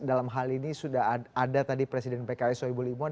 dalam hal ini sudah ada tadi presiden pks soebul imun